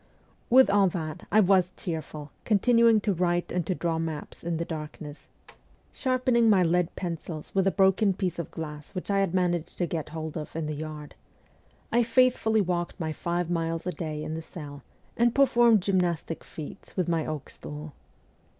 With all that I was cheerful, continuing to write and to draw maps in the darkness, sharpening my lead 151 MEMOIRS OF A REVOLUTIONIST pencils with a broken piece of glass which I had managed to get hold of in the yard ; I faithfully walked my five miles a day in the cell, and performed gymnas tic feats with my oak stool.